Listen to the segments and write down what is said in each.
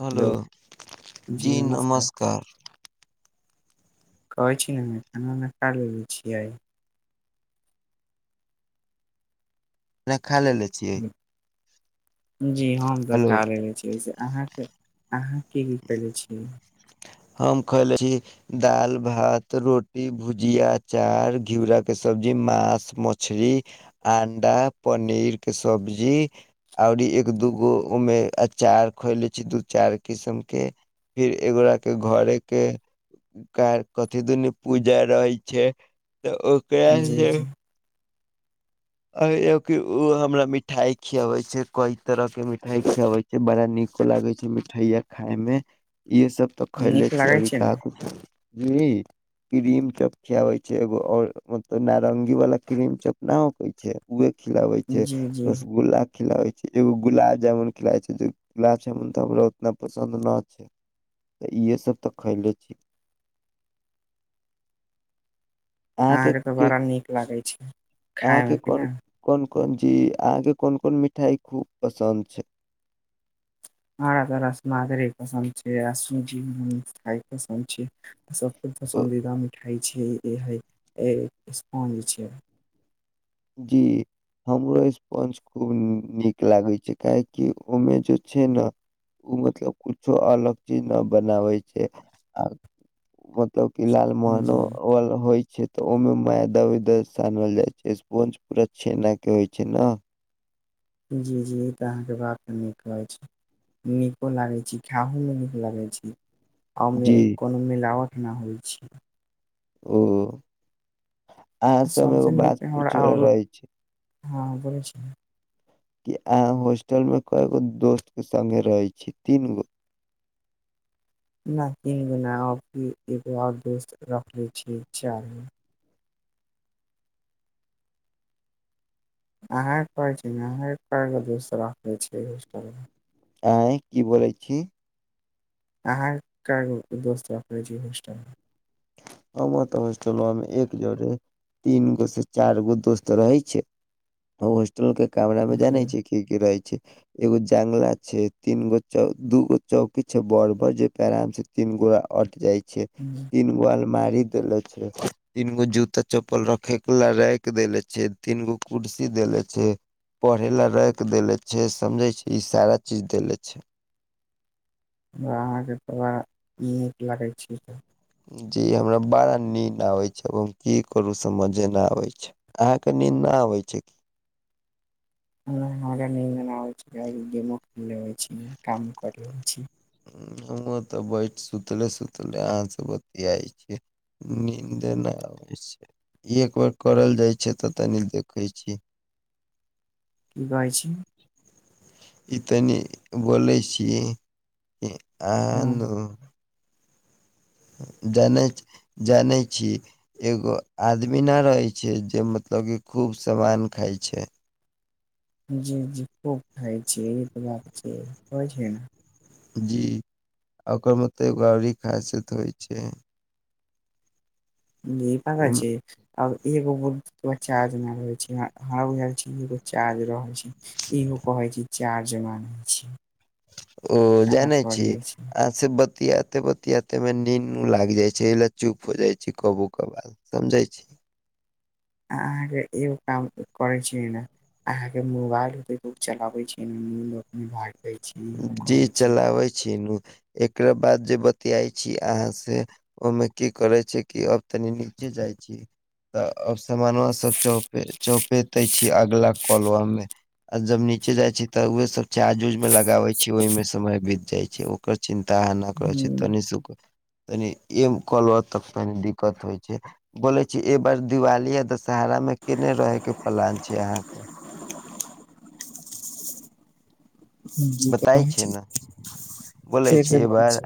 Hello जी नमस्कार। कहै छी न खाना-उना खा लेलेे छियै। खाना खा लेली। जी हम तऽ हेलो खा लेले छिये से अहाँके अहाँ। की-की खेलै छियै। हम खैले छी दाल -भात, रोटी, भुजिया, अचार, घिउरा के सब्जी, मास, मछरी अंडा, पनीर के सब्जी और एक दूगो ओमे अचार खैले छी दू चार किसम के। फिर एगोरा के घरे के काइल कथी दुनौ पूजा रहै छैय तऽ ओकरा जी से जी और एगो की उ हमरा मिठाई खियावे छैय कई तरह के मिठाई खियावे बड़ा नीको लागे छै मिठैया खाय में इहे सब तऽ नीक खैलै छी लागै अभी छै ने कहां कुछ बुझली। क्रीम चॉप खियावे छैय एगो और मतलब नारंगी वाला क्रीम चॉप न होय छै उए खिलाबे छैय, जी जी रसगुल्ला खिलावे एगो गुलाब जामुन खीलाबे छै जे गुलाब जामुन तऽ हमरा उतना पसन्द न छैय। तऽ इहे सब तऽ खैले छी। अहाँके तऽ बड़ा नीक लागै छैय। अहाँ के कोन, कोन-कोन चीज अहा के कोन-कोन मिठाई खूब पसन्द छैय। हमरा तऽ रस मादरे पसन्द छै आ सूजी मीठाए पसन्द छैय। सबसे पसन्दीदा मिठाइ छिय इहे ऐ स्पॉन्ज छैय। जी। हमरो स्पंज खूब नीक लागे छै काहेकि ओमे जे छै नऽ उ मतलब कुछो अलग चीज नऽ बनाबै छै आ मतलब कि लाल मोहनो जी अल होए छै। त ओमे मेयदा-उएदा सानल जाय छैय। स्पंज पूरा छेना के होए छै नऽ। जी जी ई तऽ अहाँके बात नीक लागे छै। नीको लागै छी खैहो मे नीक लागे छी। आ ओमे जी एक कोनो मिलावट न होए छी। ओ अहाँ आ सब सबसे एगो बात पूछलो रहे छी। हाँ बौलै छिय। कि अहा होस्टल में केएगो दोस्त के संगे रहै छी तीन गो। नहि तीन गो नऽ अभी एगो और दोस्त रखले छीयै चार गो। अहा कहै छी न हर तरह के दोस्त सब आबे छैय होस्टल में। आँय की बोलै छी। अहा कैगो दोस्त रखले छियै होस्टल में। हमर तऽ होस्टलवा में एक जोड़ी तीन गो से चार गो दोस्त रहे छै। आ होस्टल के कामरा मे जानै में छी की-की रहै छैय। एगो जांगला छैय, तीन गो चौ, दूगो चौकी छैय बर-बर जे पर आराम से तीन गोरा अट जाय छैय। [unintelligible] तीन गो अलमारी देले छैय। तीन गो जूता-चप्पल रखे केल रैक देले छैय, तीन गो कुर्सी देले छैय। पढ़े ला रैक देले छै, समझे छी ई सारा चीज देले छैय। हमरा अहाँके बेहबार नीक लागै छैय तऽ। जी हमरा बाड़ा नीन्द आबै छैय, अब हम की करू समझे ने आबै छैय। अहाँके नींन्द नऽ आबै छैय कि। नै हमरा निन्द नै आबैये त हम गेमो खेलैय छी कामो करें छी। हमउ तऽ बैठ आ सुतले-सुतले अहाँ सँ बतियाई छी। नीन्दे नहि आबै छै, एक बेर करल जाए छै तऽ तनी देखै छी। की कहै छी। ई तनी बोलै छी अहा हां नु जानै छ जानैय छी। एगो आदमी न रहे छै जे मतलब की खूब समान खाय छैय। जी-जी खूब खाय छै ईहे त बात छै होए छै न। जी ओकर मतलब एगो अरी ई खासियत होए छै। दीपक ओ छी। आब एगो मोबाइल चार्ज नहि रहे छै हमरा बुझाय छै, एगो चार्ज रहै छै। इहो कहै छी चार्ज न होए छै। ओ कहाँ जानै छी। करिये छै से बतियाते-बतियाते में नीन्नो लाग जाय छै, ओहि लेल चुप हो जाय छी कबू कबाल। समझै छी। अ आहाॅं के एगो काम करे छिये ने अहाँके मोबइल खूब चलाबै छिये ने जाय छै ई हम जी कहै छी चलाबै छीनु, एकरा बाद जें बतियाई छी अहाँ सेँ ओहिमे की करे छै कि, अब तनी नीचे जाइ छी। तऽ अब सामनवां सब चौपे-चौपेते छी अगला कलवा मेँ आ जब नीचे जाय छि तऽ ओहे सब चार्ज उर्ज में गाबै छी ओहिमे समय बीत जाइ छै ओकर चिन्ता अहाँ न करै छै हुं तनि कनि एम करब त तनी दिक्कत होइ छै। बोले छी ए बार दिवाली आ दशहरा मेँ केनेय रहे के प्लान छै अहाँके। जी बताइ कहै छै छी न बोलै फेर से छी बोलै एबार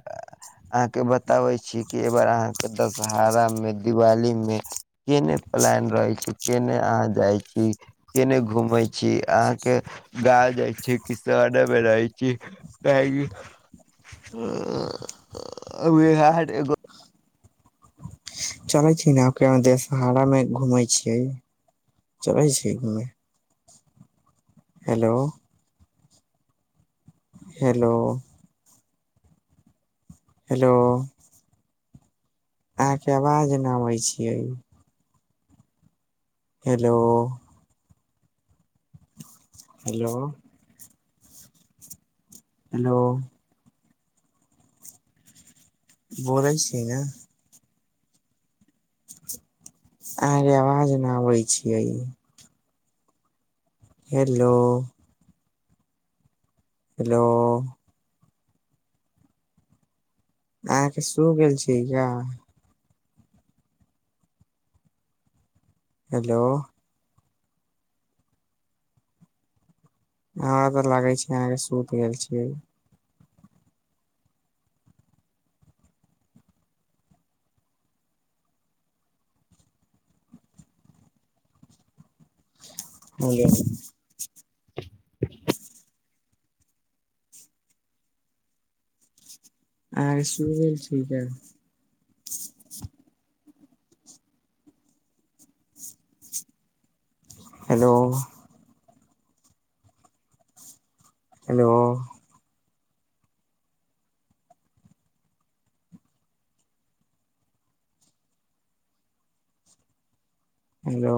अहाँके बताबै छि कि ऐबार अहाँके दशहरामेँ दिवाली में- - केँ नेँ प्लान रहै छै, केँ ने अहाँ जाई छिई। केने घूमै छी अहाँ के गाड अथि कि सौरव में रहे छी कहीँ अ-अ-अ-अ-अ बिहार एवे चले छी न ओकरे में देशहावा में घूमें छी चले छी घूमें हेलो हेलो हेलो अहाँके आवाज न अबे छीये हेलो हेलो हेलो बोलें छी न अहाँके आवाज ना आबे छिये। हेलो हेलो अहाँके सो गेल छी या हेलो हमरा त लागे छै अहाँके सुत गेल छीयै। हेलो अहाँके सूइल गेल छिये का हेलो हेलो हेलो